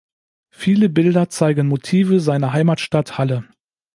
Viele Bilder zeigen Motive seiner Heimatstadt Halle.